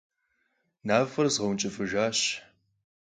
Мафӏэр згъэункӏыфӏыжащ.